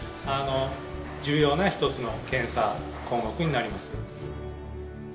重要な一つの検査項目になります。